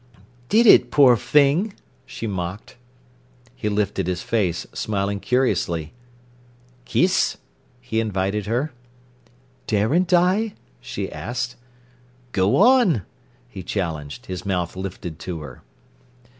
"Did it, pore fing!" she mocked. He lifted his face, smiling curiously. "Kiss?" he invited her. "Daren't I?" she asked. "Go on!" he challenged, his mouth lifted to her.